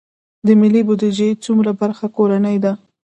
د ملي بودیجې څومره برخه کورنۍ ده؟